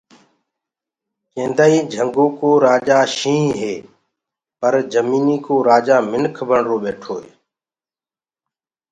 ڪينٚدآئينٚ جھنٚگو ڪو رآجآ شيٚهنٚ هي پر جميٚنيٚ ڪو رآجآ منک بڻرو ٻيٺو هي